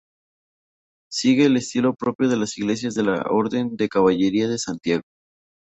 Sigue el estilo propio de las iglesias de la Orden de Caballería de Santiago.